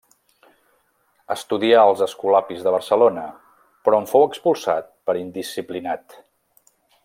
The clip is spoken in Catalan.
Estudià als escolapis de Barcelona, però en fou expulsat per indisciplinat.